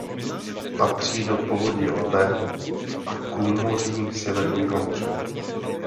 Patří do povodí Labe a k úmoří Severního moře.